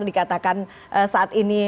dikatakan saat ini